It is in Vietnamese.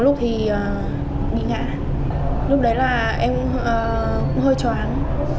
lúc đấy là em cũng hơi chóng